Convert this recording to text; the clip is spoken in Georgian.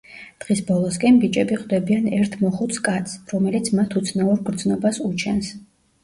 დღის ბოლოსკენ, ბიჭები ხვდებიან ერთ მოხუც კაცს, რომელიც მათ უცნაურ გრძნობას უჩენს.